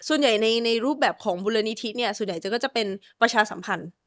ส่วนใหญ่ในรูปแบบของมูลนิธิเนี่ยส่วนใหญ่จะก็จะเป็นประชาสัมพันธ์